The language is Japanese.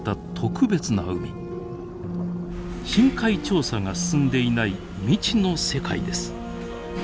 深海調査が進んでいない未知の世界です。